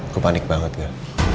gue panik banget gak